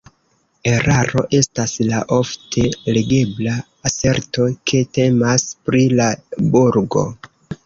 Eraro estas la ofte legebla aserto, ke temas pri la burgo.